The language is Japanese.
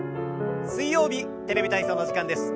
水曜日「テレビ体操」の時間です。